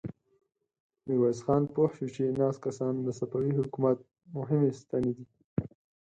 ميرويس خان پوه شو چې ناست کسان د صفوي حکومت مهمې ستنې دي.